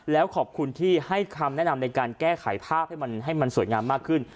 แล้วขอบคุณที่ให้คำแนะนำในการแก้ไขภาพให้มันสวยงามมากขึ้น